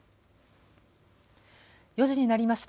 ４時になりました。